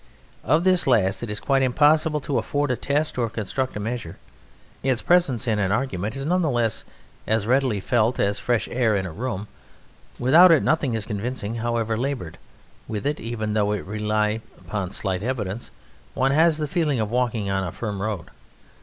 Of this last it is quite impossible to afford a test or to construct a measure; its presence in an argument is none the less as readily felt as fresh air in a room; without it nothing is convincing however laboured, with it, even though it rely upon slight evidence, one has the feeling of walking on a firm road.